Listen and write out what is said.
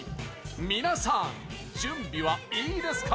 皆さん、準備はいいですか？